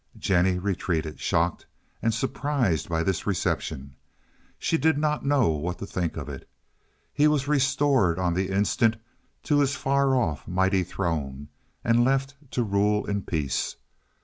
Jennie retreated, shocked and surprised by this reception. She did not know what to think of it. He was restored on the instant to his far off, mighty throne, and left to rule in peace.